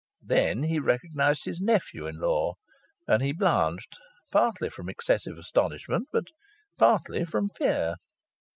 Then he recognized his nephew in law. And he blanched, partly from excessive astonishment, but partly from fear.